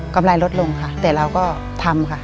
ไรลดลงค่ะแต่เราก็ทำค่ะ